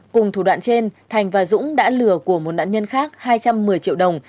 cùng thủ đoạn trên thành và dũng đã lừa của một nạn nhân khác hai trăm một mươi triệu đồng